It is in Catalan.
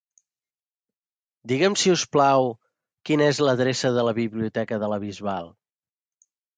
Digue'm, si us plau, quina és l'adreça de la biblioteca de la Bisbal.